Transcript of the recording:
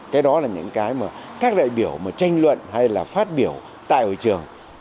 cái đó là những cái mà các đại biểu mà tranh luận hay là phát biểu tại hội trường